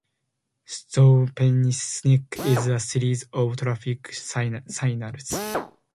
Through Penns Neck is a series of traffic signals.